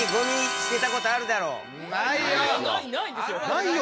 ないよ！